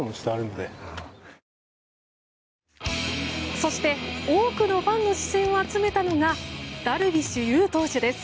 そして多くのファンの視線を集めたのがダルビッシュ有投手です。